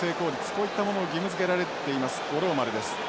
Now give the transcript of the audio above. こういったものを義務づけられています五郎丸です。